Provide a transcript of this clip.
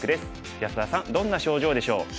安田さんどんな症状でしょう？